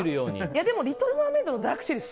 でもリトルマーメイドのダークチェリー